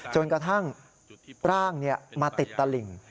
จนกระทั่งร่างมาติดตลิ่ง